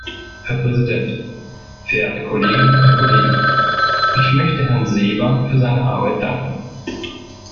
Herr Präsident, verehrte Kolleginnen und Kollegen! Ich möchte Herrn Seeber für seine Arbeit danken.